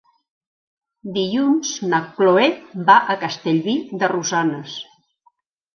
Dilluns na Cloè va a Castellví de Rosanes.